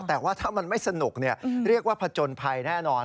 แต่ว่าถ้ามันไม่สนุกเรียกว่าผจญภัยแน่นอน